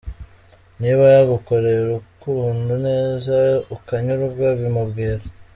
Niba yagukoreye urukundo neza ukanyurwa, bimubwire.